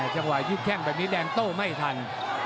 จังหวะยืดแข้งแบบนี้แดงโต้ไม่ทัน